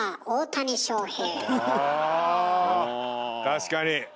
確かに！